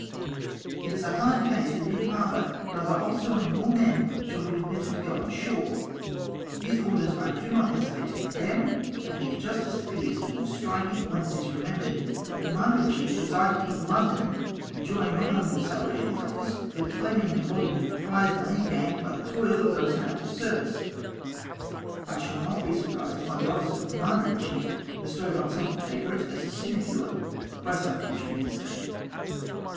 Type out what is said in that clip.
It is a hard case that in harbour neither officer nor men shall be permitted to go on shore; these orders I do not hesitate to condemn ; and the injustice ap pears the more striking, when it is remembered that the Commander in chief resided in London, enjoying not only the salary of his office, but claiming the emolument of prize money gained by the toil of those in active service. I shall not be surprised to find the office of Commander in chief be stowed on some favourite as a sinecure by some future minister.